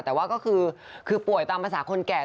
แต่ว่าก็คือป่วยตามภาษาคนแก่